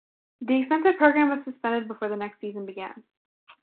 The expensive program was suspended before the next season began.